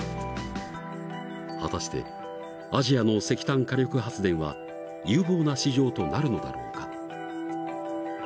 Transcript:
果たしてアジアの石炭火力発電は有望な市場となるのだろうか？